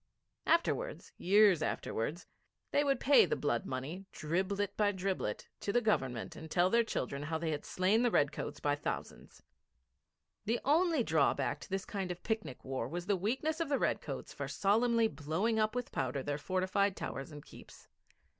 Afterwards, years afterwards, they would pay the blood money, driblet by driblet, to the Government and tell their children how they had slain the redcoats by thousands. The only drawback to this kind of picnic war was the weakness of the redcoats for solemnly blowing up with powder their fortified towers and keeps.